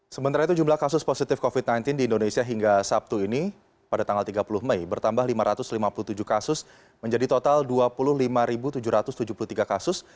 sementara itu jumlah kasus positif covid sembilan belas di indonesia hingga sabtu ini pada tanggal tiga puluh mei bertambah lima ratus lima puluh tujuh kasus menjadi total dua puluh lima tujuh ratus tujuh puluh tiga kasus